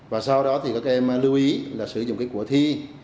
và sau đó thì các em lưu ý là sử dụng cái của thi